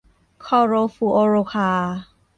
คลอโรฟลูออโรคาร์